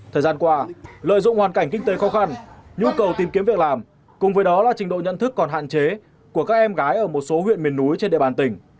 thời gian qua lợi dụng hoàn cảnh kinh tế khó khăn nhu cầu tìm kiếm việc làm cùng với đó là trình độ nhận thức còn hạn chế của các em gái ở một số huyện miền núi trên địa bàn tỉnh